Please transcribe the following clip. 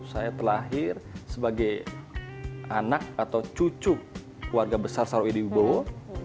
saya telahir sebagai anak atau cucu keluarga besar sarawedi ubowo